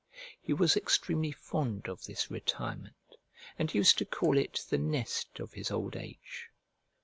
He was extremely fond of this retirement, and used to call it the nest of his old age.